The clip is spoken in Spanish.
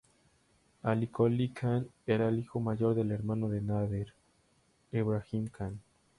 Ali-qoli khan era el hijo mayor del hermano de Nader, Ebrahim Khan.